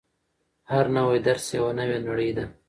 هر نوی درس یوه نوې نړۍ ده.